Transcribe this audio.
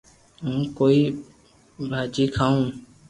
ھون ڪوئي ڀاجي کاوِ